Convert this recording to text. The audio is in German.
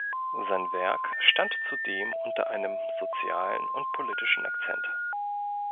Sein Werk stand zudem unter einem sozialen und politischen Akzent.